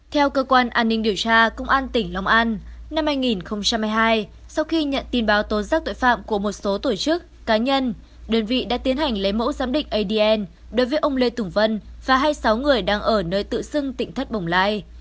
theo cơ quan an ninh điều tra công an tỉnh long an năm hai nghìn hai mươi hai sau khi nhận tin báo tố giác tội phạm của một số tổ chức cá nhân đơn vị đã tiến hành lấy mẫu giám định adn đối với ông lê tùng vân và hai mươi sáu người đang ở nơi tự xưng tỉnh thất bồng lai